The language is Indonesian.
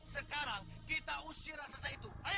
sekarang kita usir raksasa itu